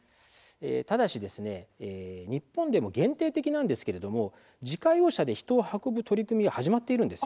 ただし日本でも限定的なんですけれども自家用車で人を運ぶ取り組みは始まっているんです。